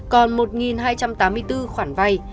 còn một hai trăm tám mươi bốn khoản vay